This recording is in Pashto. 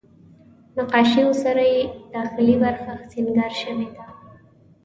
نقاشیو سره یې داخلي برخه سینګار شوې ده.